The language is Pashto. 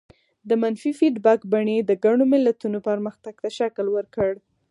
د منفي فیډبک بڼې د ګڼو ملتونو پرمختګ ته شکل ورکړ.